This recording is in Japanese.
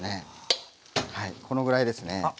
はいこのぐらいですね。